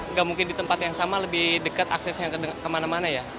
nggak mungkin di tempat yang sama lebih dekat aksesnya kemana mana ya